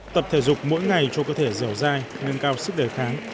tập thể dục mỗi ngày cho cơ thể dẻo dai nâng cao sức đề kháng